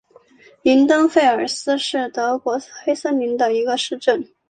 林登费尔斯是德国黑森州的一个市镇。